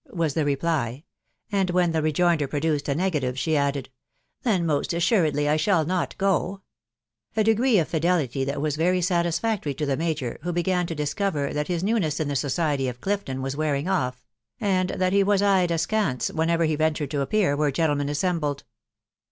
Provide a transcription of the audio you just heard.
was the reply; and when the rejoinder produced a negative, she added,—" TOaen .most assuredly I shall not go ;" a degree of fidelity that 'was verj satisfactory to the major, who began to discover that Ids new ness in the society of Clifton was wearing off, and that he fast eyed askance whenever he ventured to appear assembled.